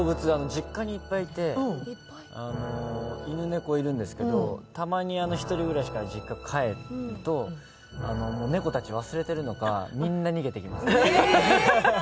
実家にいっぱいいて、犬、猫いるんですけど、たまに、ひとり暮らしから実家に帰ると、猫たち忘れてるのかみんな逃げていきます。